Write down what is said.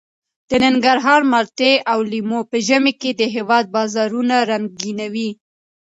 د ننګرهار مالټې او لیمو په ژمي کې د هېواد بازارونه رنګینوي.